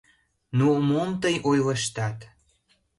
— Ну, мом тый ойлыштат!